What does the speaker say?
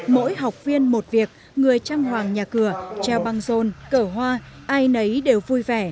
mỗi học viên một việc người trang hoàng nhà cửa treo băng rôn cỡ hoa ai nấy đều vui vẻ